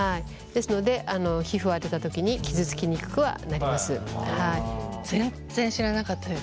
ですので皮膚を当てた時に傷つきにくくはなります。